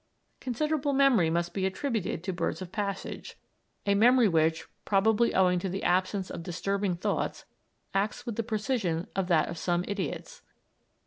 Considerable memory must be attributed to birds of passage, a memory which, probably owing to the absence of disturbing thoughts, acts with the precision of that of some idiots.